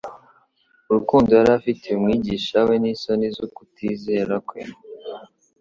Urukundo yari afitiye Umwigisha we n'isoni z'ukutizera kwe,